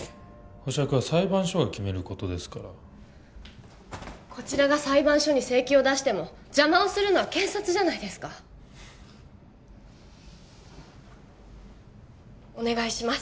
保釈は裁判所が決めることですからこちらが裁判所に請求を出しても邪魔をするのは検察じゃないですかお願いします